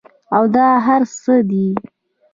او دا هر څۀ دي